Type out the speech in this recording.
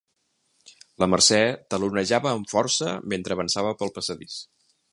La Mercè talonejava amb força mentre avançava pel passadís.